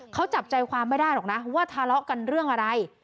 เขาจับใจความไม่ได้หรอกนะว่าทะเลาะกันเรื่องอะไร